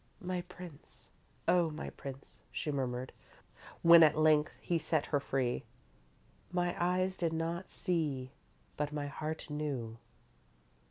"My Prince, Oh, my Prince," she murmured, when at length he set her free; "my eyes did not see but my heart knew!"